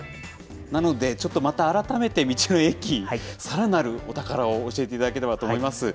なので、ちょっとまた改めて道の駅、さらなるお宝を教えていただければと思います。